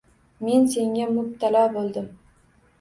Men senga mubtalo bo'ldim.